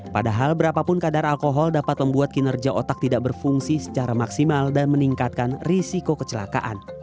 padahal berapapun kadar alkohol dapat membuat kinerja otak tidak berfungsi secara maksimal dan meningkatkan risiko kecelakaan